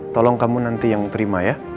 tolong kamu nanti yang terima ya